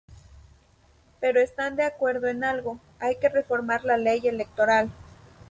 Pero están de acuerdo en algo: hay que reformar la ley electoral.